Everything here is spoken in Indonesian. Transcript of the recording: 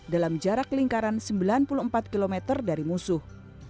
dalam jarak lingkaran sembilan puluh empat km dari musuh